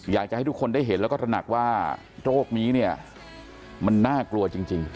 อยากจะให้ทุกคนได้เห็นแล้วก็ตระหนักว่าโรคนี้เนี่ยมันน่ากลัวจริง